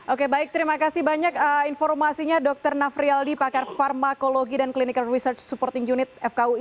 oke baik terima kasih banyak informasinya dr navriyaldi pakar farmakologi dan clinical research supporting unit fkui